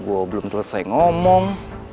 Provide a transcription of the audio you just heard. gue belum selesai ngomong